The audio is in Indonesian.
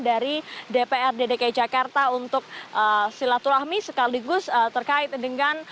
dari dprd dki jakarta untuk silaturahmi sekaligus terkait dengan